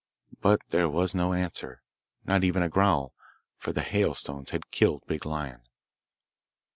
But there was no answer, not even a growl, for the hailstones had killed Big Lion.